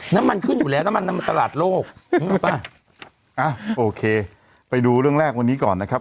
น้ำมันขึ้นอยู่แล้วน้ำมันน้ำมันตลาดโลกป่ะอ้าวโอเคไปดูเรื่องแรกวันนี้ก่อนนะครับ